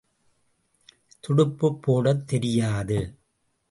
துடுப்புப் போடத் தெரியாது.